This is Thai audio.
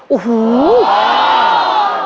โอ้โห